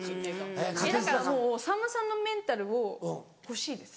だからもうさんまさんのメンタルを欲しいです。